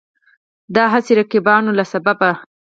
د دا هسې رقیبانو له سببه